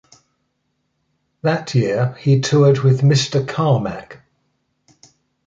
That year he toured with Mister Carmack.